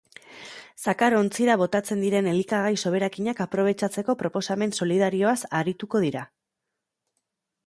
Zakar ontzira botatzen diren elikagai soberakinak aprobetxatzeko proposamen solidarioaz arituko dira.